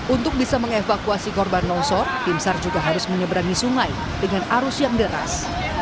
untuk bisa mengevakuasi korban longsor tim sar juga harus menyeberangi sungai dengan arus yang deras